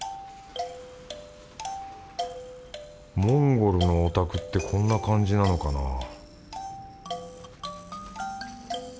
モンゴルのお宅ってこんな感じなのかな？